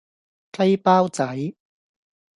雞包仔